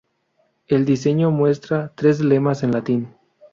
El diseño muestra tres lemas en latín.